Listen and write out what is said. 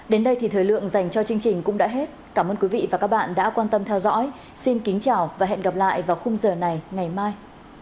đến đây thì thời lượng dành cho chương trình cũng đã hết cảm ơn quý vị và các bạn đã quan tâm theo dõi xin kính chào và hẹn gặp lại vào khung giờ này ngày mai